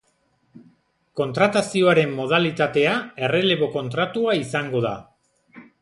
Kontratazioaren modalitatea errelebo-kontratua izango da.